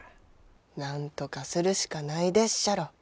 なんとかするしかないでっしゃろ。